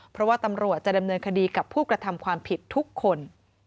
เพราะว่าตำรวจจะดำเนินคดีกับผู้กระทำความผิดทุกคน